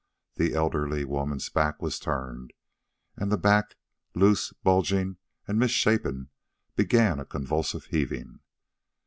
The elderly woman's back was turned, and the back loose, bulging, and misshapen began a convulsive heaving.